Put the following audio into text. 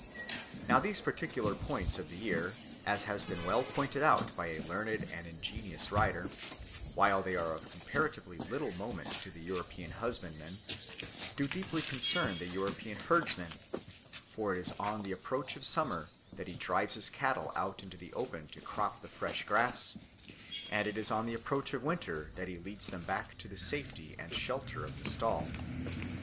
Now these particular points of the year, as has been well pointed out by a learned and ingenious writer, while they are of comparatively little moment to the European husbandman, do deeply concern the European herdsman; for it is on the approach of summer that he drives his cattle out into the open to crop the fresh grass, and it is on the approach of winter that he leads them back to the safety and shelter of the stall.